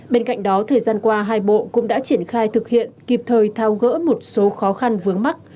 bên cạnh đó thời gian qua hai bộ cũng đã triển khai thực hiện kịp thời thao gỡ một số khó khăn vướng mắt